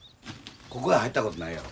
ここへ入ったことないやろ？